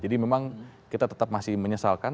jadi memang kita tetap masih menyesalkan